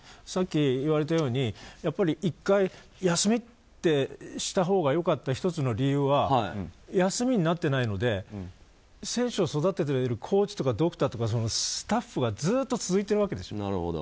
さっき、言われたようにやっぱり１回、休みってしたほうが良かった１つの理由は休みになってないので選手を育ててるコーチとかドクターとかスタッフがずっと続いているわけでしょ。